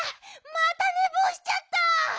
またねぼうしちゃった！